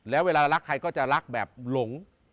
แล้วเวลาเรารักใครก็จะรักแบบหลง